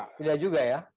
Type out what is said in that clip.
tidak juga ya